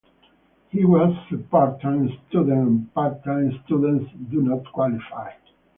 He was a part-time student and part-time students do not qualify.